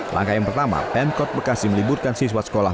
langkah yang pertama pemkot bekasi meliburkan siswa sekolah